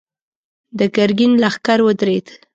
د ګرګين لښکر ودرېد.